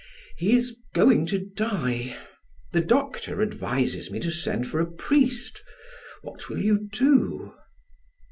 "He is going to die. The doctor advises me to send for a priest. What will you do?"